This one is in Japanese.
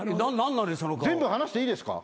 全部話していいですか？